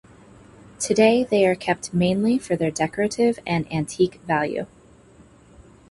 Today they are kept mainly for their decorative and antique value.